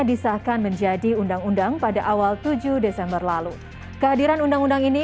disahkan menjadi undang undang pada awal tujuh desember lalu kehadiran undang undang ini